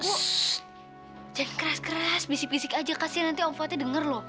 ssst jangan keras keras bisik bisik aja kak nanti om fatih denger loh